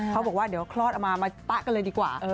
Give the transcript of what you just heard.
เขาบอกว่าเดี๋ยวคลอดออกมามาป๊ะกันเลยดีกว่า